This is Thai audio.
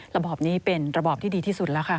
ระบอบนี้เป็นระบอบที่ดีที่สุดแล้วค่ะ